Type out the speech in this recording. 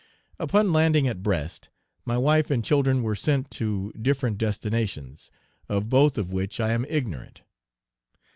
Upon landing at Brest, my wife and children were sent to different destinations, of both of which I am ignorant.